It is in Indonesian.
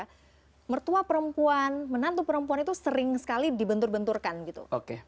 sosial gitu ya mertua perempuan menantu perempuan itu sering sekali dibentur benturkan gitu oke